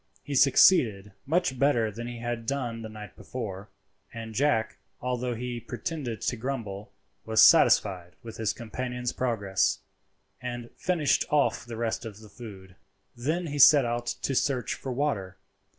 He succeeded much better than he had done the night before, and Jack, although he pretended to grumble, was satisfied with his companion's progress, and finished off the rest of the food. Then he set out to search for water.